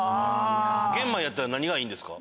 玄米やったら何がいいんですか？